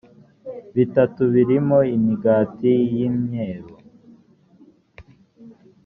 bitatu birimo imigati y imyeru